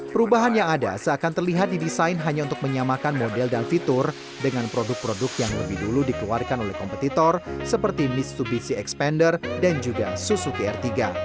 perubahan yang ada seakan terlihat didesain hanya untuk menyamakan model dan fitur dengan produk produk yang lebih dulu dikeluarkan oleh kompetitor seperti mis dua b c expander dan juga suzuki r tiga